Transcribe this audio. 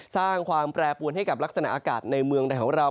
สร้างความแปรปวนให้กับลักษณะอากาศในเมืองไทยของเรา